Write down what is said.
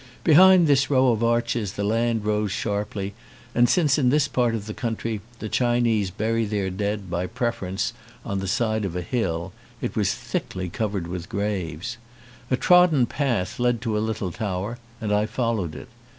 Behind this row of arches the land rose sharply and since in this part of the country the Chinese bury their dead by preference on the side of a hill it was thickly covered with graves. A trodden path led to a little tower and I followed it.